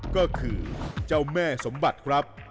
ก็คือเจ้าแม่สมบัติครับ